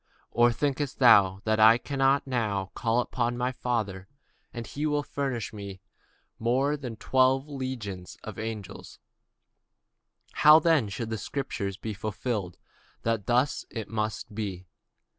Thinkest thou that I cannot now pray to my Father, and he shall presently give me more than twelve legions of angels? But how then shall the scriptures be fulfilled, that thus it must be?